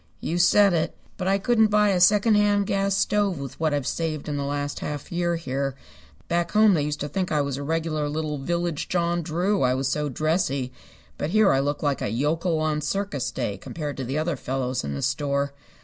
"You said it. But I couldn't buy a secondhand gas stove with what I've saved in the last half year here. Back home they used to think I was a regular little village John Drew, I was so dressy. But here I look like a yokel on circus day compared to the other fellows in the store.